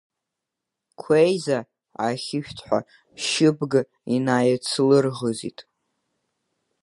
Қәеиза ахьышәҭҳәа Шьыбга инаицлырӷызит.